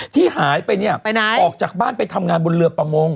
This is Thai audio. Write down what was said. ที่หายไปเนี่ยออกจากบ้านไปทำงานบนเรือประมง